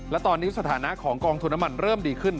และตอนนี้สถานะของกองทุนน้ำมันเริ่มดีขึ้น